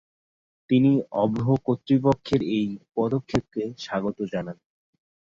তিনি অভ্র কর্তৃপক্ষের এই পদক্ষেপকে স্বাগত জানান।